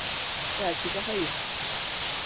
Belki de hayır.